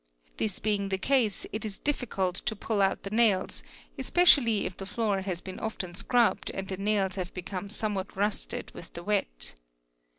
This sing the case, it is difficult to pull out the nails, especially if the floor as been often scrubbed and the nails have become somewhat rusted with 1e wet.